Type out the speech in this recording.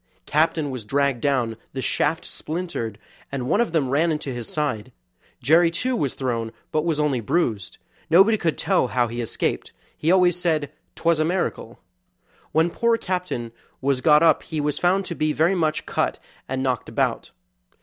Captain was dragged down, the shafts splintered, and one of them ran into his side. Jerry, too, was thrown, but was only bruised; nobody could tell how he escaped; he always said 'twas a miracle. When poor Captain was got up he was found to be very much cut and knocked about.